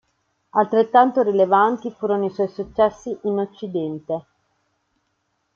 Altrettanto rilevanti furono i suoi successi in occidente.